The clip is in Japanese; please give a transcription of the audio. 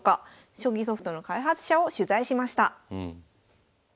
将棋ソフトの開発者を取材しました。